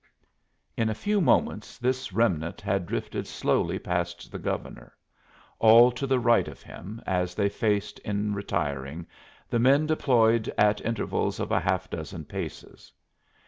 In a few moments this remnant had drifted slowly past the Governor, all to the right of him as they faced in retiring, the men deployed at intervals of a half dozen paces.